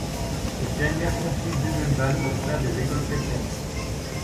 Cette dernière confie Buzenval aux Frères des écoles chrétiennes.